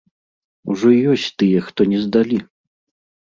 Ужо ёсць тыя, хто не здалі!